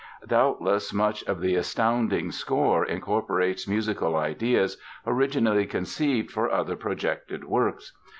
Doubtless much of the astounding score incorporates musical ideas originally conceived for other projected works.